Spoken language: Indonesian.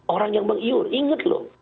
orang yang mengiur inget loh